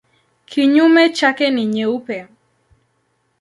Kinyume chake ni nyeupe.